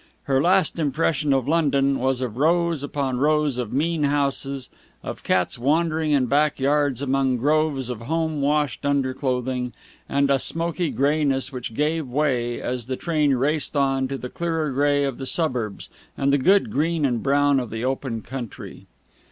Her last impression of London was of rows upon rows of mean houses, of cats wandering in back yards among groves of home washed underclothing, and a smoky greyness which gave way, as the train raced on, to the clearer grey of the suburbs and the good green and brown of the open country.